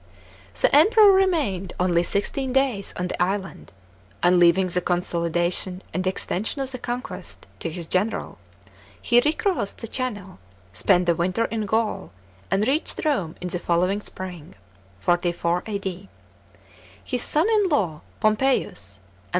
§ 4. The Emperor remained only sixteen days in the island, and, leaving the consolidation and extension of the conquest to his general, he recrossad the channel, spent the winter in Gaul, and reached Rome in the following spring (44 A.D.). His son in law Pompeius, and L.